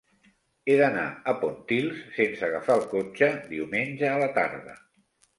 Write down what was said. He d'anar a Pontils sense agafar el cotxe diumenge a la tarda.